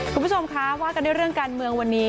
คุณผู้ชมคะว่ากันด้วยเรื่องการเมืองวันนี้